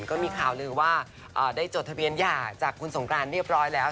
ก็มีข่าวลือว่าได้จดทะเบียนหย่าจากคุณสงกรานเรียบร้อยแล้ว